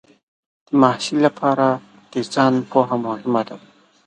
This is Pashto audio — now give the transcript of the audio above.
د محصل لپاره د ځان پوهه مهمه ده.